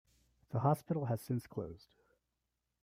The hospital has since closed.